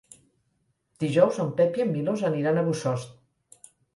Dijous en Pep i en Milos aniran a Bossòst.